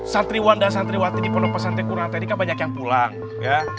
santriwan dan santriwati di pondok pesantre kuranta ini kan banyak yang pulang ya